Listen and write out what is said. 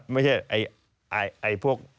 ไม่ใช่พวก